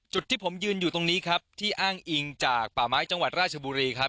จุดที่ผมยืนอยู่ตรงนี้ครับที่อ้างอิงจากป่าไม้จังหวัดราชบุรีครับ